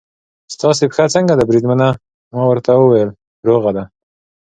ستاسې پښه څنګه ده بریدمنه؟ ما ورته وویل: روغه ده.